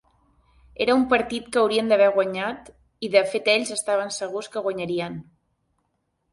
Era un partit que haurien d'haver guanyat, i de fet ells estaven segurs que guanyarien.